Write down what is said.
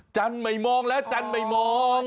จันไม่มองละจันไม่มอง